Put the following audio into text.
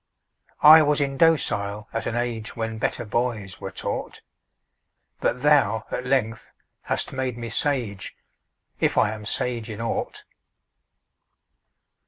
I was indocile at an age When better boys were taught, But thou at length hast made me sage, If I am sage in aught.